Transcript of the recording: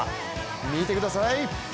見てください